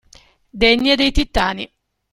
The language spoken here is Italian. Degne dei Titani.